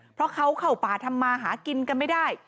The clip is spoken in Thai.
เพราะเขาเข้าป่าทำมาหากินกันไม่ได้